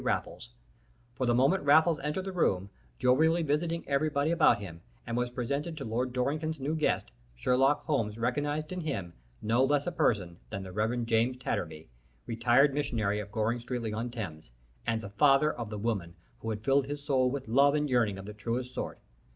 Raffles, for the moment Raffles entered the room, jovially greeting everybody about him, and was presented to Lord Dorrington's new guest, Sherlock Holmes recognized in him no less a person that the Reverend James Tattersby, retired missionary of Goring Streatley on Thames, and the father of the woman who had filled his soul with love and yearning of the truest sort.